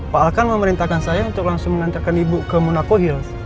pak alkan memerintahkan saya untuk langsung menantikan ibu ke munaco hills